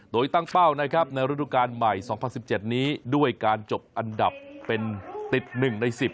โดยตั้งเป้านะครับในฤดูการใหม่๒๐๑๗นี้ด้วยการจบอันดับเป็นติด๑ใน๑๐